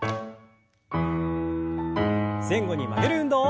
前後に曲げる運動。